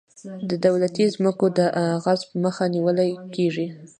د دولتي ځمکو د غصب مخه نیول کیږي.